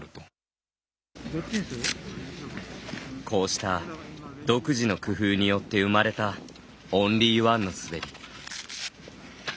こうした独自の工夫によって生まれたオンリーワンの滑り。